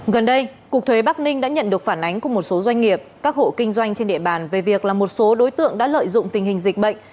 gần đây cục thuế bắc ninh đã nhận được phản ánh của một số doanh nghiệp các hộ kinh doanh trên địa bàn về việc là một số đối tượng đã lợi dụng tình hình dịch bệnh